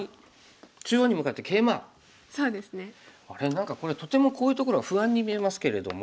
何かこれとてもこういうところが不安に見えますけれども。